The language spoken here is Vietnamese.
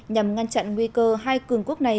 nhằm ngăn chặn nguy cơ hai cường quốc này